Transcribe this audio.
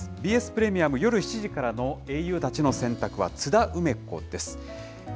ＢＳプレミアム、夜７時からの英雄たちの選択は、津田梅子です。